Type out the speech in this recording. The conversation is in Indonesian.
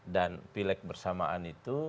dan pileg bersamaan itu